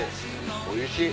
おいしい。